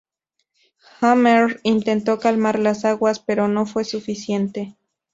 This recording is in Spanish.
Hammer intentó calmar las aguas, pero no fue suficiente.